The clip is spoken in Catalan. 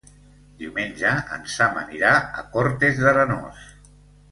Diumenge en Sam anirà a Cortes d'Arenós.